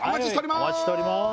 お待ちしております